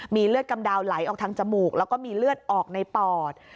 มีเลือดกำดาวไหลออกทางจมูกแล้วก็มีเลือดออกในปอด